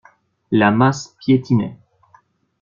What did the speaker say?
La masse piétinait.